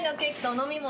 お飲み物